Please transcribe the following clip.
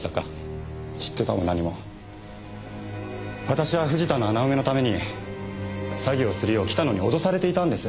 知ってたも何も私は藤田の穴埋めのために詐欺をするよう北野に脅されていたんです。